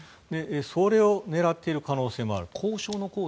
それを狙っている可能性もある。